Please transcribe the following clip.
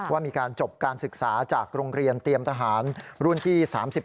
ว่ามีการจบการศึกษาจากโรงเรียนเตรียมทหารรุ่นที่๓๑